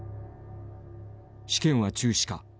試験は中止か？